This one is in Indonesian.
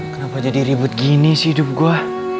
kenapa jadi ribut gini sih hidup gue